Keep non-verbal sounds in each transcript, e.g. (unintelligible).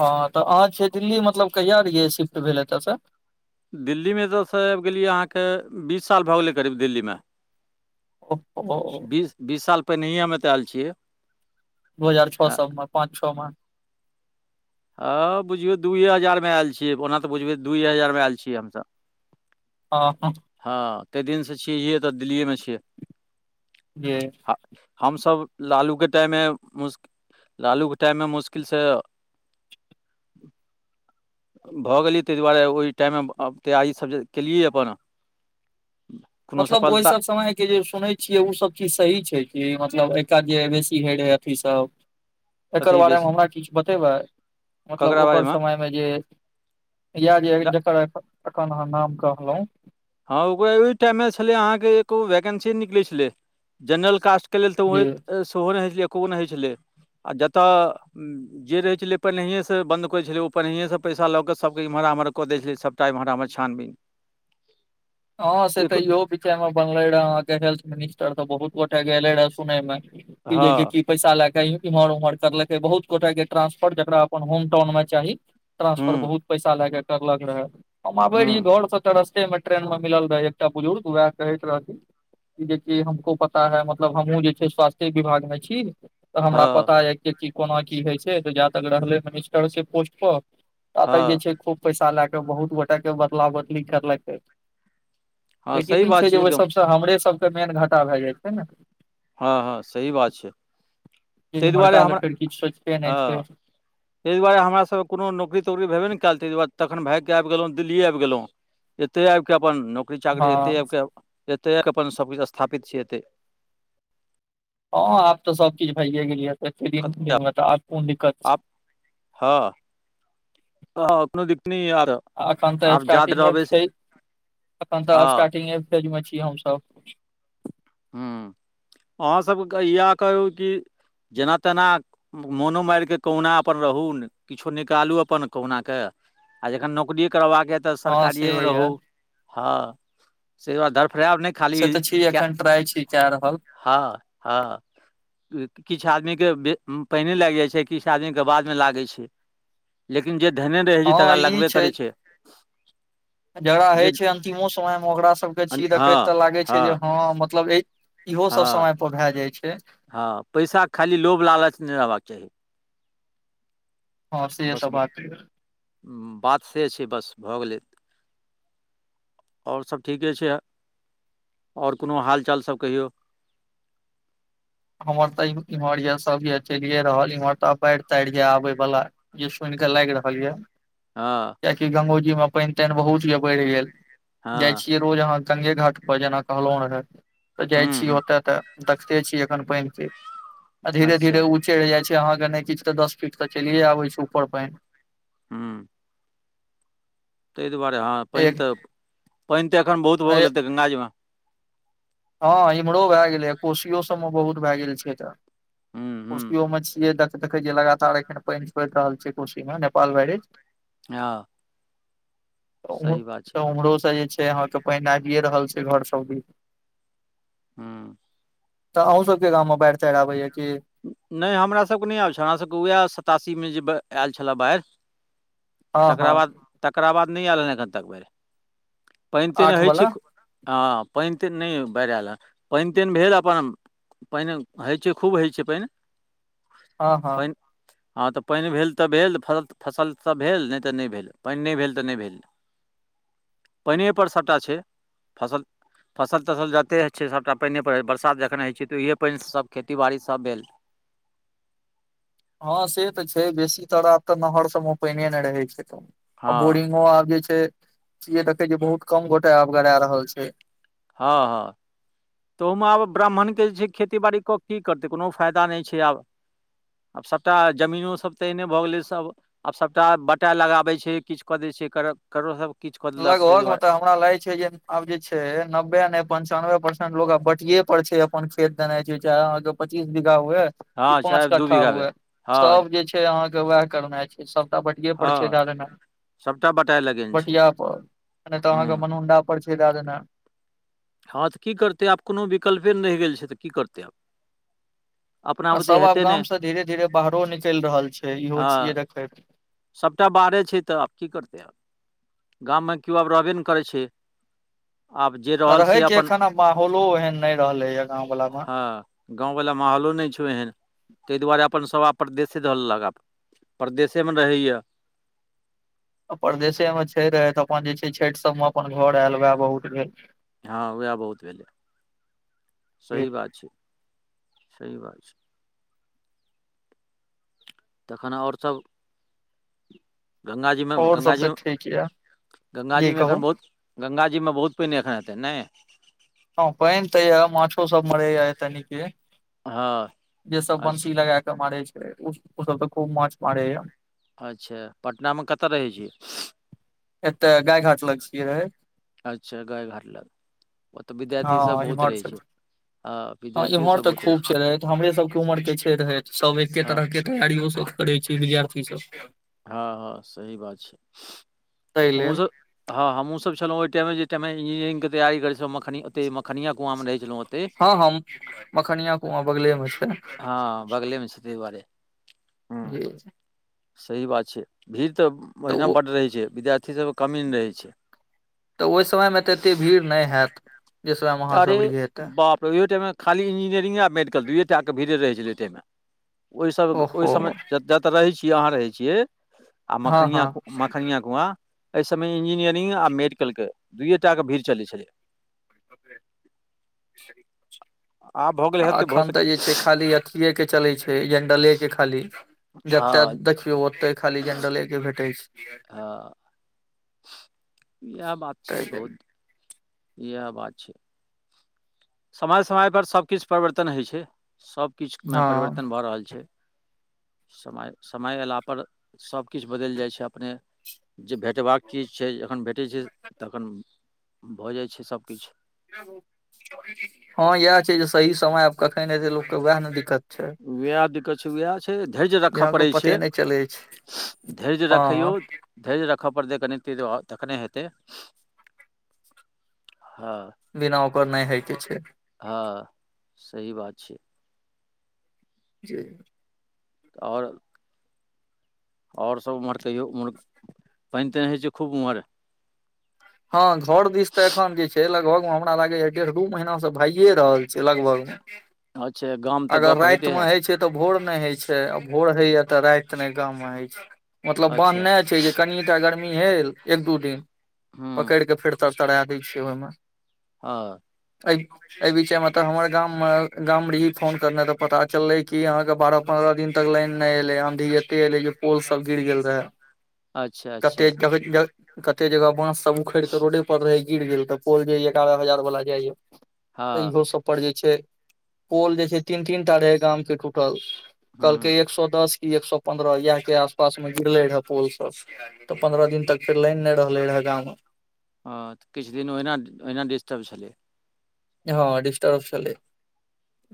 हँ तऽ अहाँ छियै दिल्ली मतलब कहिआ रहियै शिफ्ट भेल एतयस दिल्ली मे त स आबि गेलियै अहाँके बीस साल भ गेलै करीब दिल्ली म हं बीस बीस साल पहिनहिएमे तऽ आयल छिय दू हजार छओ सएमे पाँच छओ म हँ बुझियौ दुइए हजार में आयल छियै ओना त बुझियै दुइए हजार में आयल छियै हमस हँ ह हँ ताहि दिन सँ छियै त दिल्लीएमे छिय कि ह हमसब लालूक्षके टाइम में मुशक लालू के टाइम में मुश्किल स भऽ गेलियै ताहि दुआरे ओहि टाइममे तैयारीसभ जे केलियै अप मतलब ओहि सब सम के जे सुनै छियै ओ सब चीज सही छै कि मतलब एक क जे बेसी हय रहे अथी स एकर कथी बारे में बेसी हमरा किछ बतेबै मतलब ककरा ओकर बारेमे सम जे इह जे एखन अहाँ नाम कहल हँ ओकरा ओहि टाइम मे छलै अहाँके एको वैकेन्सी निकलै छलै जेनरल कास् के लेल तऽ जे ओह सेहो नहि होइ छलै एको नहि होइ छलै आ जत जे रहै छलै पहिेसँ बन्द करै छलै ओ पहिेसँ पैसा लऽ क सभके इम्हर आमह कऽ दै छलै स टाइम हराटामे छानबि हँ से तऽ इहो भ बनले रह अहाँके हेल्थ मिनिस्टर तऽ बहुत गोटे गेले रहे सुनय मे हँ ज पैसा लए क इम्हर उम्हर करलकै बहुत गोटाे के ट्रांसफर जकरा अपन होम टाउन मे चाह ट्रांसफर हूँ बहुत पैसा लएके करलक रहे हम आबे रहिय हूँ घर सब त रस्ते म ट्रेन मे मिलल रहै एकटा बुजुर्ग वएह कहैत रहथि जेकि हमको पता है मतलब हमहूँ जे छै स्वास्थ्य विभागमे छ तऽ हमरा हँ पता यऽ कि क कोना की होइ छै तऽ जा तक रहलै मिनिस्टर से पोस्ट प ता तक जे हँ छै खूब पैसा लए क बहुत गोटे के बदला बदली करलक हँ लेकिन सही ई बात छै जे ओहि एकदम सभसँ हमरे सभके मेन घाटा भए जाइ छै न हँ हँ सही बात छ मड़का ल फेड़ कि छै नहि हँ छ ताहि दुआरे हमरा सभ कोनो नकरी तकरीे ने कल ताहि दुआरे तन भाय क आबि गेलहुँ दिल्ली आबि गेलहु एते आब कऽ अपन नौकरी चाकरी एते हँ आब कऽ एते आब कऽ अपन सभकिछ स्थापित छै एत हँ आब तऽ सबकीज भइयए गेलिय प्रति कतऽ दिन आब कोन दिक्कत छ हं आर एखन तऽ आब जाइत स्टार्टिंगे रहबै से छ अखन तऽ हँ स्टार्टिंगे फेज मे छीिय हमस ह्म अहाँसभके इएह कहू कि जेना तेन मोनो मार कऽ कहुना अपन रहू न किछो निकालू अपन कहुन क आ जखन नौकरीए करबाक यए तऽ हँ से सरकारिएमे रह ये हँ से दु धरफड़ब नह से तऽ छी एखन ट्राइ छी कए रह हँ ह किछु आदमीके बे पानने लागि जाइ छै किछु आदमीके बादमे लागै छ लेकिन जे धने रहैत छै हँ तकरा ई लगबे छै करै छ जकरा होइ छै अंतिमो समय मे ओकरा सबके छीय देखैत तऽ लागै छै जे हँ मतल इहो सब हँ समय पर भए जाय छ हँ पैसाे खाली लोभ लालच नहि लेबाक चाह ह सेह बस सब बात छ बात से छै बस भऽ गेल आओर सब ठीके छै आओर कोनो हाल चाल सब कहिय हमर तऽ इम्हर य सब य चैलये रहल इम्हर तऽ बाढ़ ताढ़ ये आबे बाल य सुनि कऽ लागि रहल य हं कआकि गंगो जी मे पानि तानि बहुत य बढ़ि गेल जाइ हँ छिय रोज अहाँ गंगे घाट पर जेना कहलो ने रहे त जाय हूँ छी हूँ ओते ते देखते छीय धीरे अच्छा धीरे चलि जाइ छै अहाँके नहि किछु तऽ दस फीट तऽ चलिये आबे छै ऊपर पान हू तहि दुआरे हँ पैन एक तऽ पैन तऽ एखन बहुत भऽ गेल एतै गङ्गाजीम हँ इमहरो भए गेलैए कोसियो सभमे बहुत भए गेल छै त हूँ हूँ खशी ओम छ देखैय लगातार एखन पानि छड़ि रहल छै कुशी मे नेपाल भैरिज आ छै उमहरो से जे छै अहाँक पैन आबिए रहल छै घर सबद ह तऽ अहूँ सबके गामव मे बाढ़ि चाढ़ आबया क नहि हमरासभके नहि आयल छल हमरासभके उएह सतासीमे जे आयल छलए बाढ़ हँ हँ तकरा बाद तकरा बाद नहि आयल हन एखन तक बेर पानि आठ तानि होइ वला छ हँ पानितिन नहि बढ़ आल ह पान तानि भेल अप पानि होइत छै खूब होइत छै पानि हँ हँ पनि हँ तऽ पानि भेल तऽ भेल फ फसल त भेल नहि तऽ नहि भेल पानि नहि भेल तऽ नहि भे (inaudible) पानिएपर सभटा छै फस फसल तसल जतेक होइ छै सभटा पानिए पड़ छै बरसात जखन होइ छै तऽ ओहिए पानिसँ सभ खेतीबाड़ी सभ भे हँ से तऽ छै बेसी तरह आब तऽ नहर सबमे पानि नहि रहै छै आ हँ बोरिंगो आब जे छै स देखे छै बहुत कम गोटे आब गड़ा रहल छ हँ ह तोमे आब ब्राह्मण के जे छै खेती बाड़ी कऽ की करतै कोनो फायदा नहि छै आ आब सभटा जमीनोसभ तऽ एहने भऽ गेलै स आब सभटा बटा लगाबै छै किछ कऽ दै छै ककरोसभ किछ कऽ देलक तहि लगभग मतलब दुआरे हमरा लाग छै जे आब जे छै नबे ने पंचानबे परसेंट आब बटिये पर छ अपन खेत देना छै चाहे अहाँ के पच्चीस बीघा हुए कि हँ पाँंच चाहे दू कट्ठा बीघा भेल हुए हँ सब जे ना छै सब बट हँ सभटा बटाए लगेने छै परिय तऽ अहाँके हूँ मनुंडा पर छै दए देन हँ तऽ की करतै आब कोनो विकल्पे नहि रहि गेल छै तऽ की करतै आ आ सब आब गाम नहि से धीरे धीरे बाहरो निकलि रहल छै इहो हँ छियै देख सभटा बारे छै तऽ आब की करतै आ गाममे केओ आब रहबे नहि करै छ रहय के एखन आब माहौलो एहन नहि रहले या गांव वला म हँ गाँववला माहौलो नहि छौ ओहन ताहि दुआरे अपन सभ परदेशे धर लग आ परदेसे मे रहैय परदेशेमे छै रहथिल तऽ अपन जे छै छैठ सभमे अपन घर आयल उएह बहुत भे हँ वएह बहुत भेलै सही बात छै सही बात छ तखन ओर सब गङ्गााजीमे और सब तऽ गङ्गााजीमे ठीक ये जी गङ्गााजीमे कहू एखन बहु गंगा जीमे बहुत पैन एखन हेतै न हँ पैन तै मछो सब मै आय तनिक हँ जे सब बंसी अच्छा लगाक मारे छै ओ सब त खूब माछ मारे अच्छा पटनामे कतऽ रहै छ एते गाय घाट लग छियै र अच्छा गायघाट लग ओतय विद्यार्थीसभ बहुत रहै छ ह इम्हर तऽ खूब छै रहैत हमरे सबके उमर के छै रहैत सब एके हँ तरह क तैयारियो सब करै छै विद्यार्थी स हँ हँ सही बात छै ताहि हमहुँस लेल हँ हमहूँसभ छलहुँ ओहि इमेहि इमे इंजीनियरिंगके तैयार करैत छलँ मखनी ओते मखनिया कुआमे रहै छलहुँ ओते हँ ह मखनिया कुआ बगलेमे छ हँ बगलेमे छै ताहि दुआरे हूँ बझ छ सही बात छै भीड़ तऽ ओहिना बड्ड रहै छै विद्यार्थीसभके कमी नहि रहै छ तऽ ओहि समयमे तऽ एते भीड़ नहि होयै अरे बाप रो ईहोटाम खाली इन्जीनियरिंग ओर मेडिकल दुइयए टाके भीड़े रहै छलै तहिमे ओहिस ओहो ओहिसमे जत्त तऽ रहै छियै अहाँ रहै छियै आ हँ हँ मखनिआ मखनिआ कुआ एहि सभमे इंजीनियरिंग आ मेडिकलके दुइए टाके भीड़ चलै छल आब भऽ गेलै आ हेतै भऽ एखन तऽ सकै जे छ खाली अथे के चले छै जडले के खाली जते हँ दे ओते खाली जंडले के भेटै छ हँ इएह बात छै ताहि बहु लेल इएह बात छ समय समयपर सभकिछु परिवर्तन होइ छै सभकिछुमे हँ परिवर्तन भऽ रहल छ समय समय अयलापर सभकिछु बदलि जाइ छै अपन जे भेटबाक चीज छै जखन भेटै छै तखन भऽ जाइ छै सबकिछ हँ इएह छै जे सही समय आब कखन एतै लोकके उएह ने दिक्कत छ वएह दिक्कत छै वएह छै धैर्य रखऽ अहाँके पड़ै छै पते नहि चलै छै धैर्य रखै हँ धेर्य रखय पड़तै कनी ती तखने हेतै ह बिना ओकर नहि होय के छ हँ सही बात छ ज आओर आओर सभ उम्हर कहियो ओम्हर पानि तानि होइत छै खूब ओम्ह हँ घर दिस तऽ एखन जे छै लगभग मे हमरा लागैय डेढ़ दू महीना से भइे रहल छै लगभ अच्छा गाम तऽ अगर गप्प होइते रातिमे हैत होइ छै त तऽ भोर नहि होइ छै आ भोर होइया तऽ राति ने गाम मे होइ छै मतलब अच्छा बान्हने छै ज कनिटा गर्मी भेल एक दू दि हँ पकड़ि कऽ फेर तरतराा दै छियै ओहिम ह त एहि विचयमे तऽ हमर गाममे गाम रही फोन करना तऽ पता चललै कि अहाँके बारह पंन्द्रह दिन तक लाइन नहि एले आँधी एते एऐले जे पोल सब गिर गेल रह अच्छा कते अच्छा कतेक जगह ब सब उखड़ तऽ रोडे पर रहै गिर गेल तऽ पोल जेय एगारह हजार वालला जाइय त हँ इहो सभ पर जे छै पोल जे छै तीन तीनटा रहय गामके टूट हँ कहलकै एक सए दस की एक सए पन्द्रह इएह के आसपास मे गिरले रहे पोल स तऽ पंन्द्रह दिन तक फेर लान नहि रहले रहे गाँव म ह तऽ किछु दिन ओहिना ओहिना डिस्टर्ब छल हँ डिस्टर्ब छलै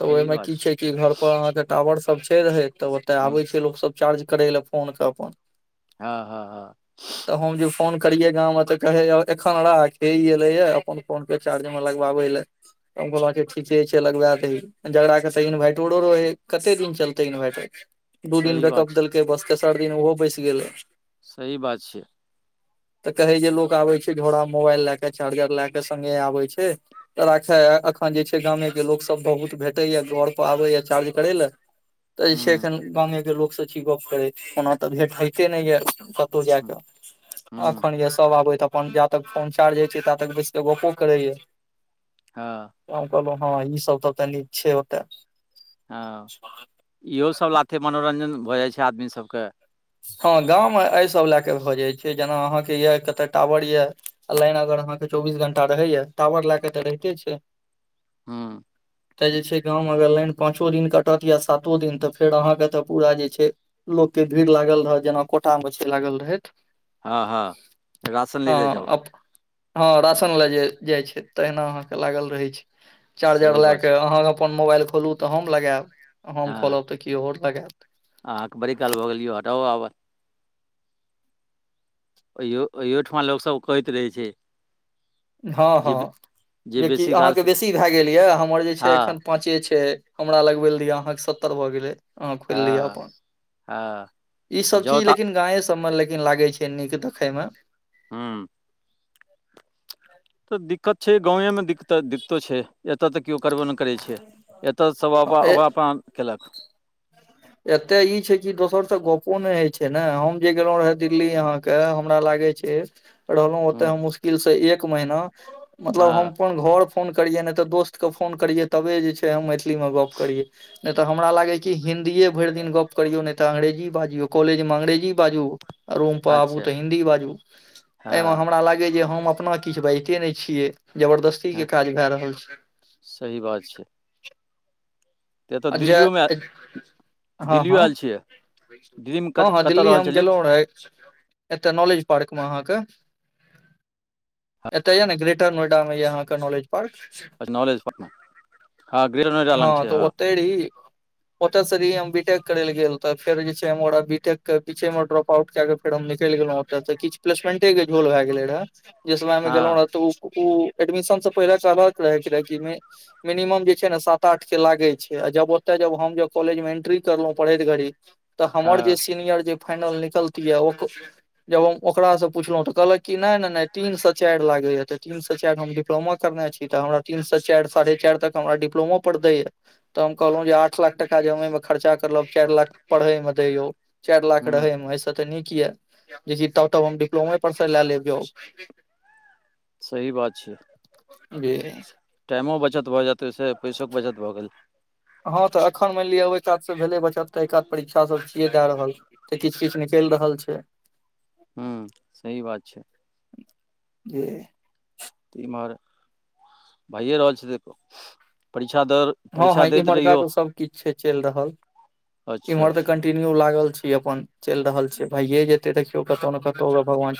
तऽ सही ओहिमे बात की छै कि घर पर अहाँके टावर सब छै रहथ तब ओतय हँ आबै छै लोकसभ चार्ज करै लए फोन के अप ह हँ (unintelligible) तऽ हम जे फोन करिये गां में तऽ कहे एखन राख हे एले ये अपन फोन पे चार्ज मे लगवाबे ल हम कहल ठीके छै लगबा दह झगड़ाे तऽ इन्वर्इटरो रहै कते दिन चलतै इन्वरटर दू दिन सही बात बैकअप छै देलकै बस तेसर दिन ओहो बैस गेल सही बात छिय तऽ कहे जे लोक आबे छै घोड़ा मोबाइल लय के चार्जर लय के सगे आबै छ ऽ राखे अखन जे छै गामे के लोक सब बहुत भेटे या घर पर आबे य चार्ज करे ल तऽ जे छै हँ एखन गामेके लोकसँ छी गप करैत ओना तऽ भेंट होइते नहि य जा हँ के अखन य सब आबे त अपन जा तक फोनचार्ज हय छै ता तक बसिक गपो करेय ह त कहलहु हँ ई सब तऽ तनि छैत हँ इहो सब लाथे मनोरञ्जन भऽ जाइ छै आदमी सबक हँ गाममे एहि सभ लए कऽ भऽ जाइत छ जेना अहाँ के ये कते टावर ये लाइन अगर अहाँ के चौबीस घंटा रहे ये टावर ले के ते रहिते छ (unintelligible) ह तऽ जे छै गाँमे अगर लाइन पाँचो दिन कटत या सातो दिन तऽ फेर अहाँके तऽ पूरा जे छ लोकके भीड़ लागल रहय जेना कोटामे छै लागल रहथ हँ हँ रशन ले ले जा हँ राशन ले जे जाइ छै तहिना अहाँके लागल रहै छ चार्जर सही लए बात कऽ छै अहाँ अपन मोबाइल खोलू तऽ हम लगायब हम हँ खोलब तऽ केओ आर लगाय अहाँके बड़ी काल भऽ गेल यियौ हटा आब ओहि ओहिठमा लोकसभ कहैत रहै छ हँ हँ जे जेकि बेसी काल अहाँके से बेसी भए गेल यऽ हमर जे छै हँ एख पाँचे छै हमरा लगबै लए दिऽ अहाँके सत्तर भऽ गेल अह खोललिय हँ अपन हँ ई सब जाउ चीज तऽ लेकिन गाे सबमे लेकिन लागे छ फेन्नीके देखैम हू तऽ दिक्कत छै गाँवेमे दिक्क दिक्कतो छ एतऽ तऽ केओ करबो नहि करै छै एतऽ सब मे अपन अपनना केल एत्ते ई छै कि दोसर से गपो ने हय छै ने हम जे गेलों रहे दिल्ली यहा के हमरा लागे छ हूँ ओ एक महिना मतल हँ अपन घर फोन करियै नहि तऽ दोस्तके फोन करियै तबे जे छै हम मैथिलीमे गप करिय नहि तऽ हमरा लागै क हिंन्दीए भरि दिन गप करियौ नहि तऽ अंग्रेजी बाजियौ कॉलेज मे अंग्रेजी बाज रूम पर आबू अच्छा तऽ हिंन्दी बाजू हँ एहिमे हमरा लागय जे हम अपन किछु बाजिते ने छियै जबरदस्ती हँ के काज भए रहल छ सही बात छ तऽ एतऽ आ दिल्लिोम जे हँ हँ दिल्लीमे हँ कतऽ हँ कतऽ दिल्ली रहल हम छलियै गेलहुँ रह एत नालेज पड़कमे अहाँक एतय यऽ ने ग्रेटर नोएडा मे यऽ अहाँ के नॉलेज पार् अच्छा नॉलेज हँ ग्रेड नोएड लग छै ह त ओते सी हम बीटेक करे ले गेल ते फेर जे छैरा बीटेक के पीछे मे ड्रोप आउट क क हम निकलि गेलों ओ तऽ किछु प्लेसमेंटे के झोल भए गेले रहे जे समय में गेलों हँ रह तऽ एडमिशन से पहिले के अलग रहे के रहे मे मिनिमम जे छै ने सात आठ के लागे छ जब ओते जब हम जब कॉलेज मे एंट्री करलहुं पढ़ैत घड़ी तऽ हमर जे हँ सीनियर ज फाइनल निकलती य जब हम ओकास से पुछलहुं तऽ कहलक क नहि नहि नहि तीन से चारि लागे या ते तीन से चारि ह डिप्लोमा करने छी तऽ हमरा तीन से चारि साढ़े चारि तक हमरा डि्लोमा प पर दै य तऽ हम कहलहुँ जे आठ लाख टाका जे हमहिमे खर्चा करलब चारि लाख पढ़े मे दैय चारि लाख हूँ रहैमे एहिसँ तऽ नीक यऽ जेकि तब तब हम डिप्लोमे परसँ लए लेब जॉ सही बात छ अ टाइमो बचत भऽ जायतै ओहिसँ पैसोके बचत भऽ गे हँ तऽ एखन मानि लिअ ओहि कात से भेलै बच्चा तऽ एहि कात परीक्षा सब छियै दए रह तऽ किछु किछु निकलि रहल छ हू सही बात छ ज तऽ इमहर भइए रहल छै तऽ परीक्षा द हँ ह इम्हरका तऽ सब किछ छै चलि रहल इम्हर अच्छा तऽ ल च छी क